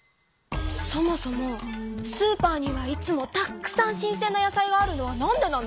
そもそもスーパーにはいつもたくさん新鮮な野菜があるのはなんでなの？